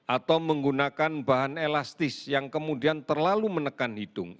atau menggunakan bahan elastis yang kemudian terlalu menekan hidung